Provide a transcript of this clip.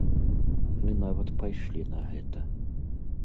Мы нават пайшлі на гэта.